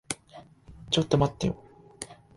ちょっと待ってよ。